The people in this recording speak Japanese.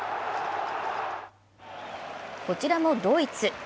こちらもドイツ。